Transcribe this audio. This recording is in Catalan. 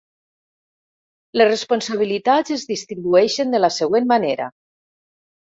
Les responsabilitats es distribueixen de la següent manera.